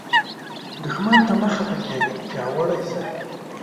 دښمن ته مه خفه کیږه، پیاوړی شه